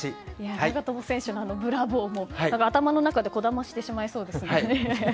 長友選手のブラボー！も頭の中でこだましてしまいそうですね。